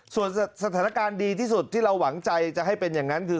ส่วนสถานการณ์ดีที่สุดที่เราหวังใจจะให้เป็นอย่างนั้นคือ